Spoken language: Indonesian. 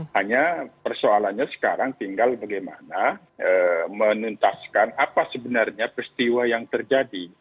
hanya persoalannya sekarang tinggal bagaimana menuntaskan apa sebenarnya peristiwa yang terjadi